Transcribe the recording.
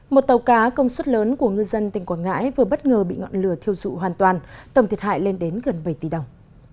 một tàu cá công suất lớn của ngư dân tỉnh quảng ngãi vừa bất ngờ bị ngọn lửa thiêu dụ hoàn toàn tầm thiệt hại lên đến gần bảy tỷ đồng